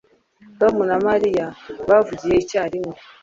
Tom na Mariya bavugiye icyarimwe